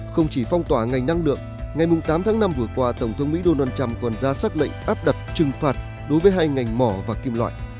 không chỉ phong tỏa ngành năng lượng ngày tám tháng năm vừa qua tổng thống mỹ donald trump còn ra xác lệnh áp đặt trừng phạt đối với hai ngành mỏ và kim loại